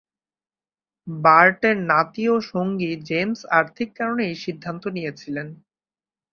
বার্টের নাতি ও সঙ্গী জেমস আর্থিক কারণে এই সিদ্ধান্ত নিয়েছিলেন।